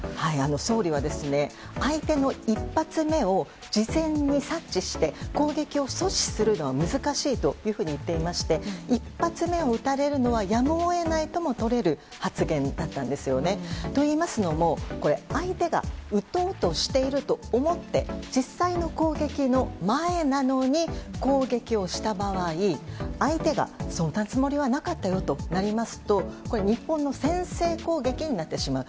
総理は相手の１発目を事前に察知して攻撃を阻止するのは難しいと言っていまして１発目を撃たれるのはやむを得ないともとれる発言だったんですよね。と、いいますのも相手が撃とうとしていると思って実際の攻撃の前なのに攻撃をした場合相手がそんなつもりはなかったよとなりますと日本の先制攻撃になってしまう。